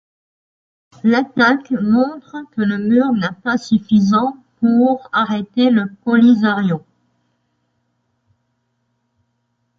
L'attaque montre que le mur n'a pas suffisant pour arrêter le Polisario.